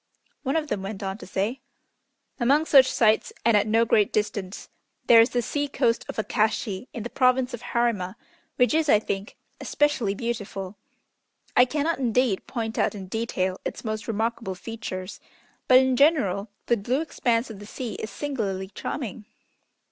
One of them went on to say: "Among such sights and at no great distance, there is the sea coast of Akashi, in the Province of Harima, which is, I think, especially beautiful. I cannot, indeed, point out in detail its most remarkable features, but, in general, the blue expanse of the sea is singularly charming.